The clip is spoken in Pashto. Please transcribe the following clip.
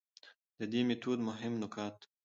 د دې ميتود مهم نقاط: